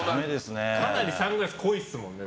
かなりサングラス濃いですもんね。